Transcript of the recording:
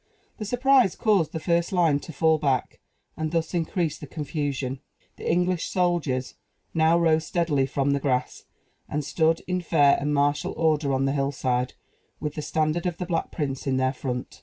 The surprise caused the first line to fall back, and thus increase the confusion. The English soldiers now rose steadily from the grass, and stood in fair and martial order on the hillside, with the standard of the Black Prince in their front.